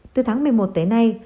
từ tháng một mươi một tới nay